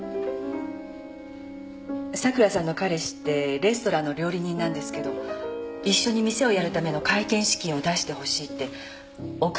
桜さんの彼氏ってレストランの料理人なんですけど一緒に店をやるための開店資金を出してほしいって奥さまに何度も頼んでました。